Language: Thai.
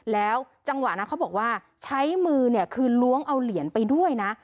แล้วจังหวะนั้นเขาบอกว่าใช้มือเนี่ยคือล้วงเอาเหรียญไปด้วยนะ